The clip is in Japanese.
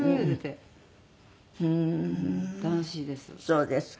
そうですか。